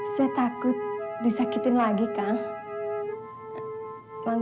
saya takut disakitin lagi kang